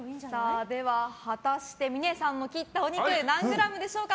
では果たして峰さんの切ったお肉何グラムでしょうか。